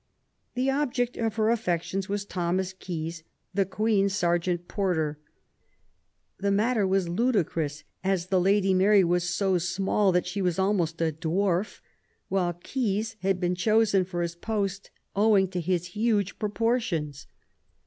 The object of her affections was Thomas Keys, the Queen's serjeant porter. The matter was ludicrous, as the Lady Mary was so small that she was almost a dwarf, while Keys had been chosen for his post owing to his huge proportions.